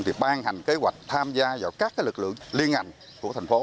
thì ban hành kế hoạch tham gia vào các lực lượng liên ngành của thành phố